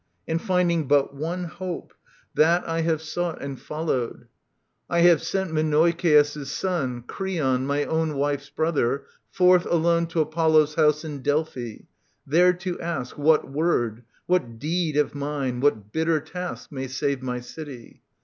And, finding but one hope, that I have sought P\ SOPHOCLES yv. 70 86 And followed. I have sent Menoikeus' son, Creon, my own wife's brother, forth alone To Apollo's House in Delphi, there to ask What word, what deed of mine, what bitter task, May save my city.